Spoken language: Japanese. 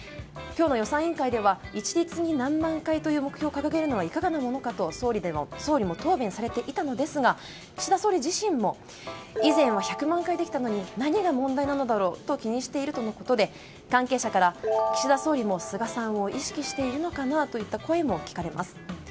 今日の予算委員会では一律に何万回という目標を掲げるのはいかがなのかと総理も答弁されていたんですが岸田総理自身も以前は１００万回できたのに何が問題なのだろうと気にしているということで関係者から、岸田総理も菅さんを意識しているのかなという声も聞かれます。